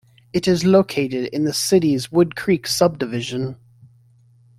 It is located in the city's WoodCreek subdivision.